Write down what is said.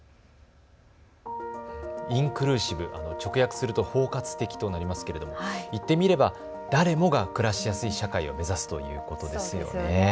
インクルーシブ、直訳すると包括的となりますけれども言ってみれば誰もが暮らしやすい社会を目指すということですよね。